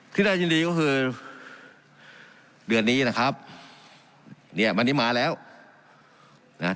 น่ายินดีก็คือเดือนนี้นะครับเนี่ยวันนี้มาแล้วนะ